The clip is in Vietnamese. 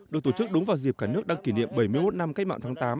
được tổ chức đúng vào dịp cả nước đang kỷ niệm bảy mươi một năm cách mạng tháng tám